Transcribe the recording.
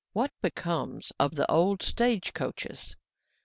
What becomes of the Old Stage coaches.